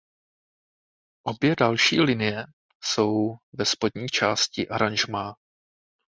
Obě další linie jsou ve spodní části aranžmá.